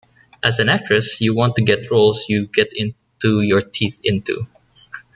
As an actress you want to get roles you can get your teeth into.